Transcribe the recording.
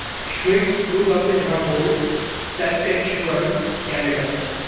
Schmidtz grew up in Humboldt, Saskatchewan, Canada.